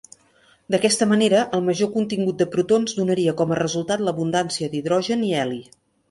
D'aquesta manera, el major contingut de protons donaria com a resultat l'abundància d'hidrogen i heli.